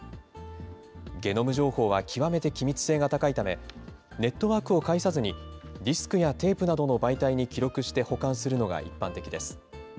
ゲノム情報は極めて機密性が高いため、ネットワークを介さずに、ディスクやテープなどの媒体に記録して保管するのが一般的です。